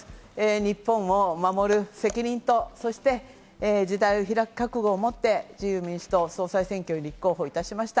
日本を守る責任とそして時代を開く覚悟を持って自由民主党総裁選挙に立候補いたしました。